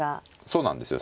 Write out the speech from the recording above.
そうなんですよ。